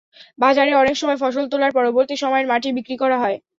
বাজারে অনেক সময় ফসল তোলার পরবর্তী সময়ের মাটি বিক্রি করা হয়।